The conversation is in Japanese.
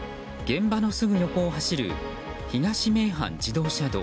現場のすぐ横を走る東名阪自動車道。